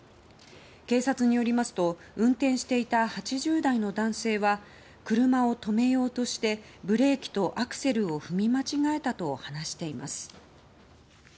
警察によりますと運転していた８０代の男性は車を止めようとしてブレーキとアクセルを踏み間違えたと話しています。